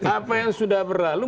apa yang sudah berlalu